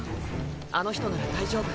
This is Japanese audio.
あの人なら大丈夫。